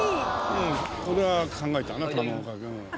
うんこれは考えたな卵かけ。